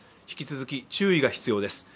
引き続き注意が必要です。